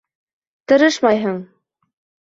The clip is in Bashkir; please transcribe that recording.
Тырышмайһың...